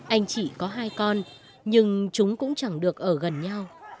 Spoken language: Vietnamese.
anh chị có hai con nhưng chúng cũng chẳng được ở gần nhau